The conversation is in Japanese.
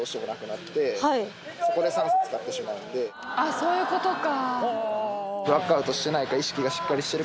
そういうことか。